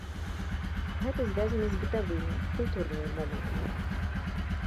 Гэта звязана з бытавымі, культурнымі момантамі.